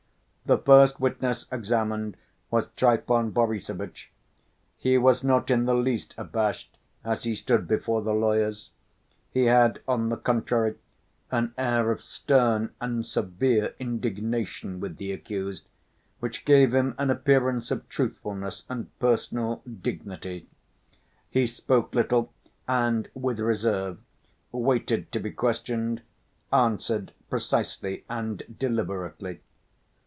The first witness examined was Trifon Borissovitch. He was not in the least abashed as he stood before the lawyers. He had, on the contrary, an air of stern and severe indignation with the accused, which gave him an appearance of truthfulness and personal dignity. He spoke little, and with reserve, waited to be questioned, answered precisely and deliberately.